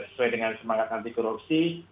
sesuai dengan semangat anti korupsi